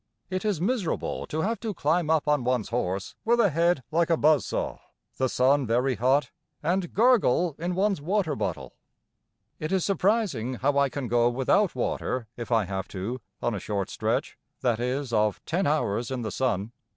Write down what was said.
It is miserable to have to climb up on one's horse with a head like a buzz saw, the sun very hot, and "gargle" in one's water bottle. It is surprising how I can go without water if I have to on a short stretch, that is, of ten hours in the sun.